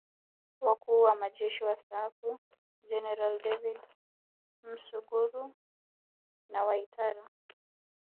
Wakuu wa Majeshi Wastaafu Jeneral David Msuguri na Joseph Waitara